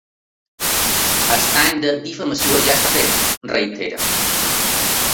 El dany de difamació ja està fet, reitera.